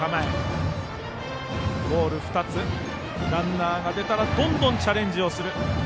ランナーが出たらどんどんチャレンジをする。